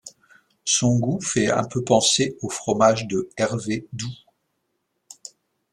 Son goût fait un peu penser au fromage de Herve doux.